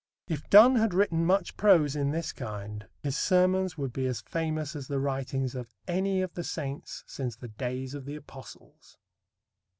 If Donne had written much prose in this kind, his Sermons would be as famous as the writings of any of the saints since the days of the Apostles.